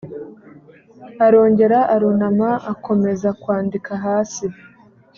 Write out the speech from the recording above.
arongera arunama akomeza kwandika hasi